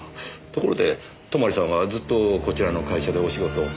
ところで泊さんはずっとこちらの会社でお仕事を？